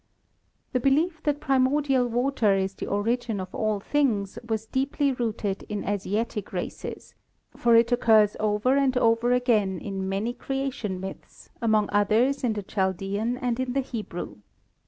The belief that primordial water is the origin of all things was deeply rooted in Asiatic races, for it occurs over and over again in many creation myths, among others in the Chaldean and in the Hebrew.